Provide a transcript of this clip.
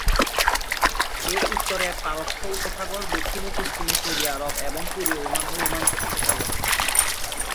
এর উত্তরে পারস্য উপসাগর, দক্ষিণ ও পশ্চিমে সৌদি আরব, এবং পূর্বে ওমান ও ওমান উপসাগর।